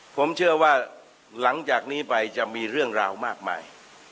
ผมเชื่อว่าหลังจากนี้ไปจะมีเรื่องราวมากมาย